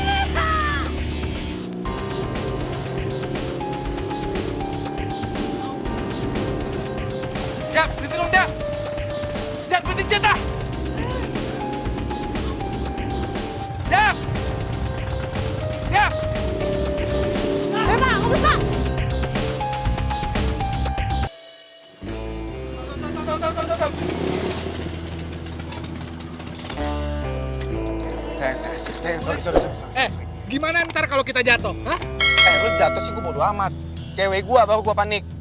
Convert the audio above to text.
eh lo jatuh sih gue bodo amat cewek gue baru gue panik